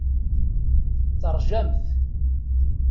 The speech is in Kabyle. Teṛjamt.